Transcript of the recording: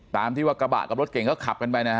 ตามที่ว่ากระบะกับรถเก่งเขาขับกันไปนะฮะ